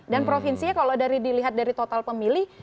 dan provinsinya kalau dilihat dari total pemilih